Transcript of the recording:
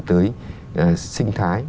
tới sinh thái